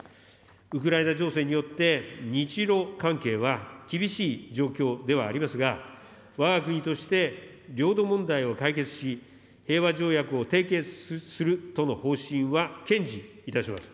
ウクライナ情勢によって、日ロ関係は厳しい状況ではありますが、わが国として、領土問題を解決し、平和条約を締結するとの方針は堅持いたします。